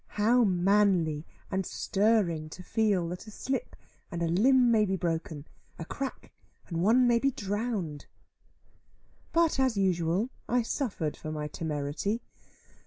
How manly, and stirring, to feel, that a slip and a limb may be broken; a crack and one may be drowned. But, as usual, I suffered for my temerity.